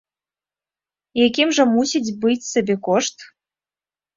Якім жа мусіць быць сабекошт?